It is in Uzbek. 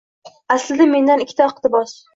Aslida, mendan ikkita iqtibos: